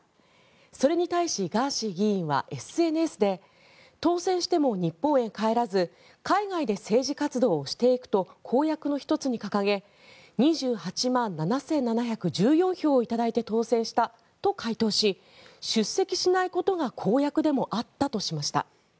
それに対しガーシー議員はＳＮＳで当選しても日本へ帰らず海外で政治活動をしていくと公約の１つに掲げ２８万７７１４票を頂いて当選したと回答し出席しないことが公約でもあったとしました。